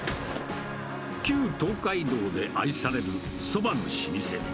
旧東海道で愛されるそばの老舗。